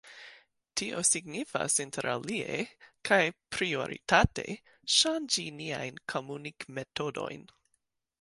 Tio signifas interalie, kaj prioritate, ŝanĝi niajn komunik-metodojn.